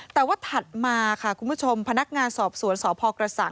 แต่ว่าถัดมาค่ะคุณผู้ชมพนักงานสอบสวนสพกระสัง